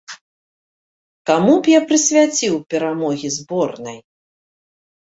Каму б я прысвяціў перамогі зборнай?